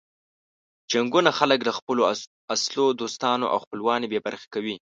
جنګونه خلک له خپلو اصلو دوستانو او خپلوانو بې برخې کوي.